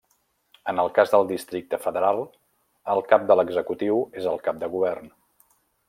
En el cas del Districte Federal, el cap de l'executiu és el Cap de Govern.